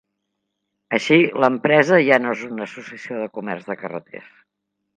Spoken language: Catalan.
Així, l'empresa ja no és una associació de comerç de carreters.